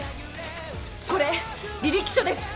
これ履歴書です。